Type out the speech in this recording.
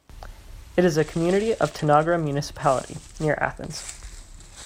It is a community of Tanagra municipality, near Athens.